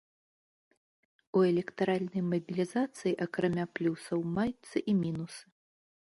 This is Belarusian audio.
У электаральнай мабілізацыі акрамя плюсаў маюцца і мінусы.